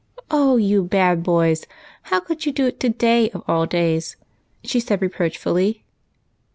" Oh, you bad boys, how could you do it, to day of all days?" she said reproachfully.